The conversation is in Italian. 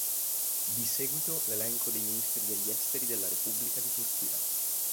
Di seguito l'elenco dei Ministri degli esteri della Repubblica di Turchia.